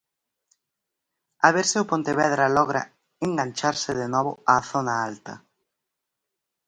A ver se o Pontevedra logra engancharse de novo á zona alta.